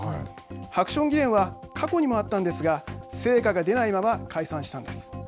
ハクション議連は過去にもあったんですが成果が出ないまま解散したんです。